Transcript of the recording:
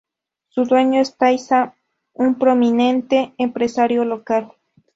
Su dueño es Tay Za, un prominente empresario local.